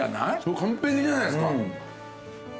完璧じゃないですか。